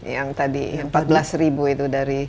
yang tadi yang rp empat belas itu dari